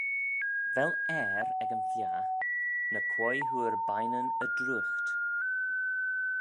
Vel ayr ec y fliaghey? ny quoi hooar bineyn y druight.